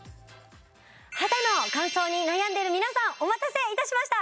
肌の乾燥に悩んでる皆さんお待たせいたしました！